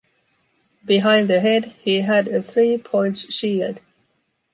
Behind the head, he had a three-points shield.